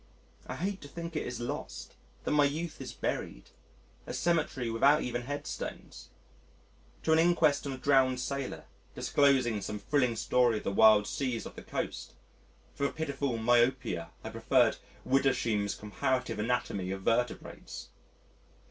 I hate to think it is lost; that my youth is buried a cemetery without even headstones. To an inquest on a drowned sailor disclosing some thrilling story of the wild seas off the coast with a pitiful myopia I preferred Wiedersheim's Comparative Anatomy of Vertebrates.